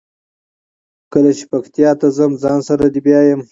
کله چې پکتیا ته ځم ځان سره دې بیایمه.